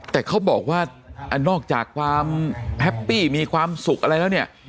แต่เขาบอกว่านอกจากความแฮปปี้มีความสุขอะไรแล้วเนี่ย